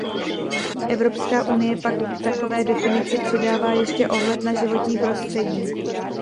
Evropská unie pak k takové definici přidává ještě ohled na životní prostředí.